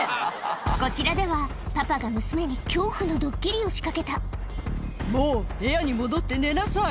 こちらではパパが娘に恐怖のドッキリを仕掛けた「もう部屋に戻って寝なさい」